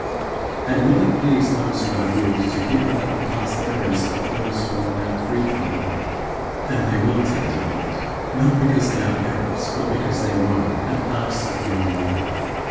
And it will please those who are good to hear about the past errors of those who are now freed from them. And they will take delight, not because they are errors, but because they were and are so no longer.